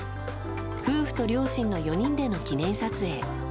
夫婦と両親の４人での記念撮影。